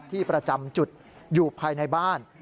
ที่ประจำจุดอยู่ภายในบ้าน